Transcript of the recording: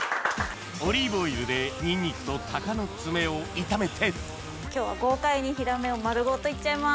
オリーブオイルでニンニクとタカのツメを炒めて今日は豪快にヒラメを丸ごと行っちゃいます。